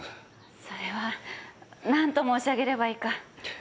それは何と申し上げればいいか。